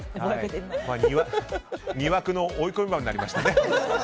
２枠の追い込み馬になりましたね。